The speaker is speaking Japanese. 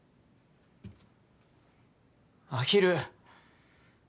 アヒル。